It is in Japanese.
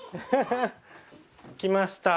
来ました。